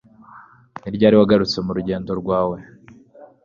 ni ryari wagarutse mu rugendo rwawe